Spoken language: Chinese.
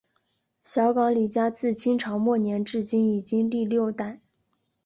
小港李家自清朝末年至今已经历六代。